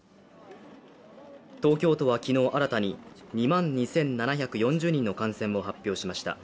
東京都は昨日新たに２万２７４０人の感染を発表しました。